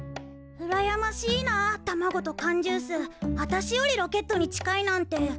うらやましいなたまごとかんジュースあたしよりロケットに近いなんて。